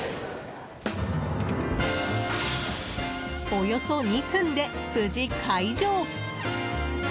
およそ２分で無事解錠。